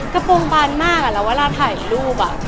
กระโปรงบานมากแล้วเวลาถ่ายรูป